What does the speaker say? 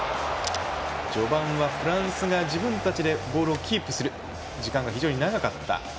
序盤はフランスが自分たちでボールをキープする時間が非常に長かった。